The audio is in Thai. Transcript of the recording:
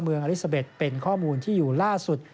อลิซาเบ็ดเป็นข้อมูลที่อยู่ล่าสุด